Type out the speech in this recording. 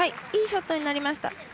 いいショットになりました。